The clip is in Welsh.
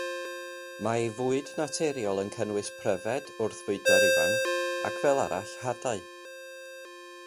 Mae ei fwyd naturiol yn cynnwys pryfed wrth fwydo'r ifanc, ac fel arall hadau.